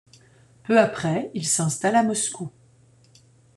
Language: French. Peu après, ils s'installent à Moscou.